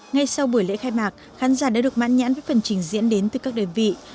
ngay sau buổi lễ khai mạc khán giả đã được mãn nhãn với phần trình diễn đến từ các đơn vị